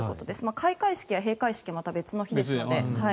開会式や閉会式はまた別の日ですので。